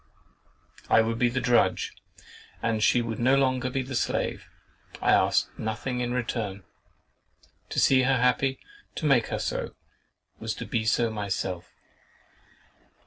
I would be the drudge and she should no longer be the slave. I asked nothing in return. To see her happy, to make her so, was to be so myself.